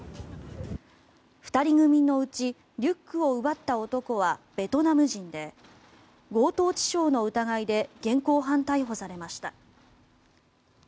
２人組のうちリュックを奪った男はベトナム人で強盗致傷の疑いで現行犯逮捕されました。